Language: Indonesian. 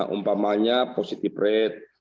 umpamanya positive rate